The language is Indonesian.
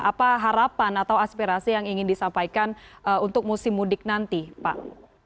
apa harapan atau aspirasi yang ingin disampaikan untuk musim mudik nanti pak